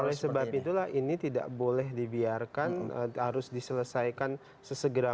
oleh sebab itulah ini tidak boleh dibiarkan harus diselesaikan sesegera